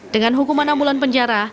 dengan hukuman enam bulan penjara